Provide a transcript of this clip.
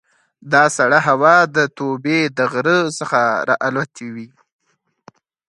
دا سړه هوا د توبې د غره څخه را الوتې وي.